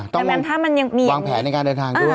ต้องวางแผนการเดินทางด้วย